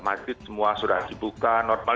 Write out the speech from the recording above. masjid semua sudah dibuka normal